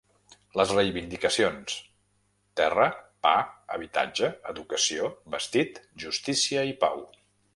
Les reivindicacions: terra, pa, habitatge, educació, vestit, justícia i pau.